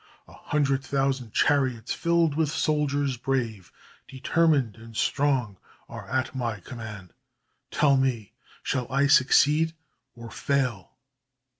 A hundred thousand chariots filled with soldiers brave, determined and strong, are at my command. Tell me, shall I succeed, or fail?"